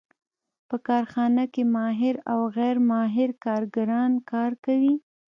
په کارخانه کې ماهر او غیر ماهر کارګران کار کوي